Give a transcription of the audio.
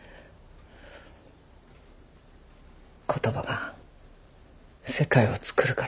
言葉が世界をつくるから。